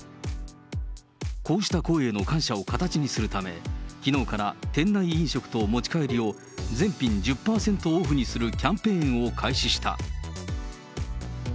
こうした行為への感謝を形にするため、きのうから店内飲食と持ち帰りを全品１０％オフにするキャンペーンを開始した。